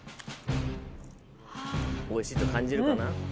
おいしいと感じるかな？